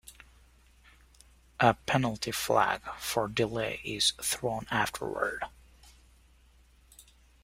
A penalty flag for delay is thrown afterward.